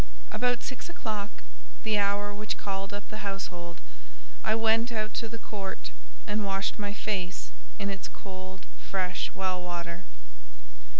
About six o'clock, the hour which called up the household, I went out to the court, and washed my face in its cold, fresh well water.